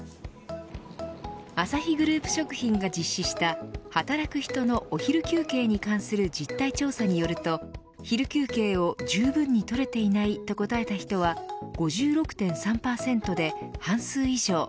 アサヒグループ食品が実施した働く人の、お昼休憩に関する実態調査によると昼休憩をじゅうぶんに取れていないと答えた人は５６．３％で、半数以上。